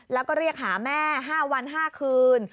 แล้วก็เรียกหาแม่๕วัน๕คืน